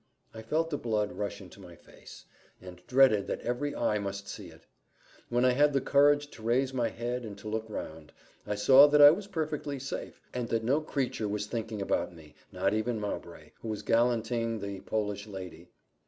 I felt the blood rush into my face, and dreaded that every eye must see it. When I had the courage to raise my head and to look round, I saw that I was perfectly safe, and that no creature was thinking about me, not even Mowbray, who was gallanting the Polish lady.